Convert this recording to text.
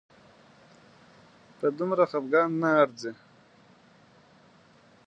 په دومره خپګان نه ارزي